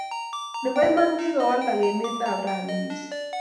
Nebo iman kikowalak emet ab rani mising